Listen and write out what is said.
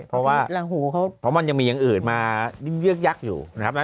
เพราะว่าหลังหูเขาเพราะมันยังมีอย่างอื่นมาเยือกยักษ์อยู่นะครับ